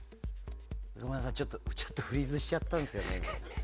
ごめんなさい、チャットフリーズしちゃったんですって。